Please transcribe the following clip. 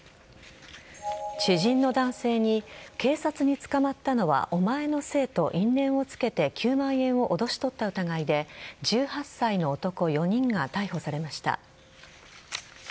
知人の男性に警察に捕まったのはお前のせいと因縁をつけて９万円を脅し取った疑いで１８歳の男４人が逮捕されました。